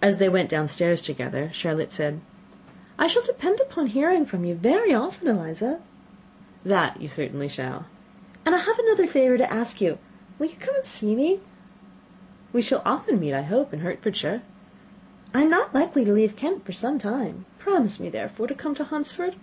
As they went down stairs together, Charlotte said, "I shall depend on hearing from you very often, Eliza." "That you certainly shall." "And I have another favour to ask. Will you come and see me?" "We shall often meet, I hope, in Hertfordshire." "I am not likely to leave Kent for some time. Promise me, therefore, to come to Hunsford."